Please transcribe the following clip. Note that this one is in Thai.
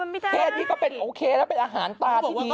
ประเทศนี้ก็เป็นโอเคแล้วเป็นอาหารตาดี